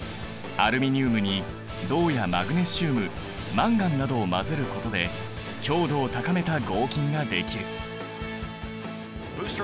アルミニウムに銅やマグネシウムマンガンなどを混ぜることで強度を高めた合金ができる。